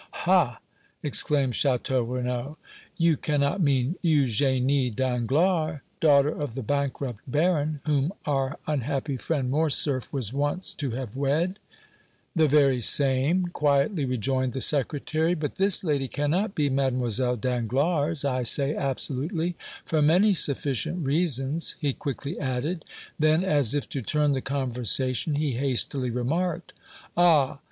"Ha!" exclaimed Château Renaud. "You cannot mean Eugénie Danglars, daughter of the bankrupt baron, whom our unhappy friend Morcerf was once to have wed?" "The very same," quietly rejoined the Secretary; "but this lady cannot be Mlle. Danglars, I say absolutely, for many sufficient reasons," he quickly added; then, as if to turn the conversation, he hastily remarked: "Ah!